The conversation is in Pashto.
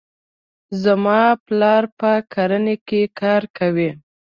زما پلار په کرنې کې کار کوي.